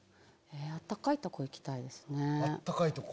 暖かいとこ行きたいですね。